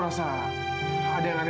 lalu bay dinari kalian